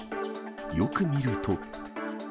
よく見ると。